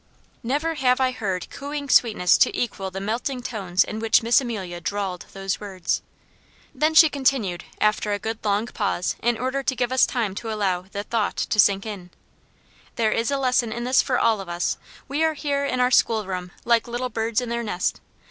'" Never have I heard cooing sweetness to equal the melting tones in which Miss Amelia drawled those words. Then she continued, after a good long pause in order to give us time to allow the "Thought" to sink in: "There is a lesson in this for all of us. We are here in our schoolroom, like little birds in their nest.